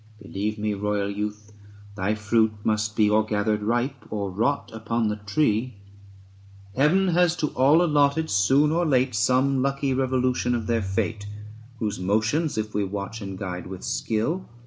Believe me, royal youth, thy fruit must be 250 Or gathered ripe, or rot upon the tree. Heaven has to all allotted, soon or late, Some lucky revolution of their fate : Whose motions if we watch and guide with skill, ABSALOM AND ACHITOPHEL.